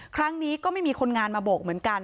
ครั้งนี้ก็ไม่มีคนงานมาโบกเหมือนกัน